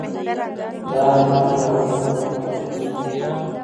دا انار تر هغو نورو انارو ډېر سور رنګ لري.